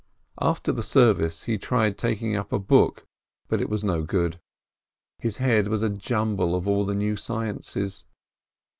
After the service he tried taking up a book, 328 PINSKI but it was no good, his head was a jumble of all the new sciences.